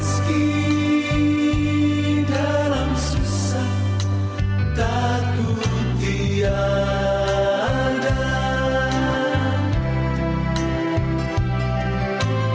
saya tak bisa lebih baik